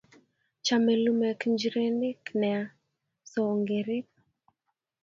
Chame lumek njirenik nea so ongerip